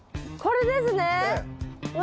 これですね？